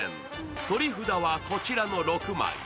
取り札はこちらの６枚。